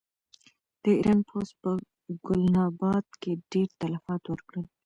د ایران پوځ په ګلناباد کې ډېر تلفات ورکړل.